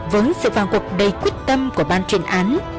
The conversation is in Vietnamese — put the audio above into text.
với sự vào cuộc đầy quyết tâm của ban truyền án